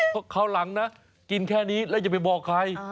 คราวหลังนะกินแค่นี้แล้วจะไปบอกใคร